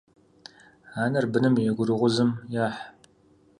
Анэр быным и гурыгъузым ехь.